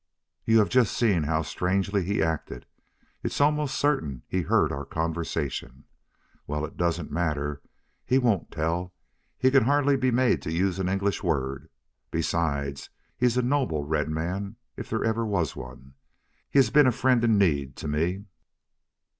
"You have just seen how strangely he acted. It's almost certain he heard our conversation. Well, it doesn't matter. He won't tell. He can hardly be made to use an English word. Besides, he's a noble red man, if there ever was one. He has been a friend in need to me.